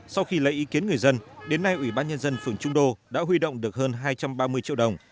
sau khi lấy ý kiến người dân đến nay ủy ban nhân dân phường trung đô đã huy động được hơn hai trăm ba mươi triệu đồng